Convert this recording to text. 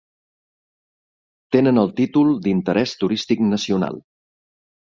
Tenen el títol d'Interés Turístic Nacional.